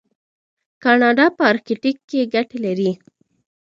کاناډا په ارکټیک کې ګټې لري.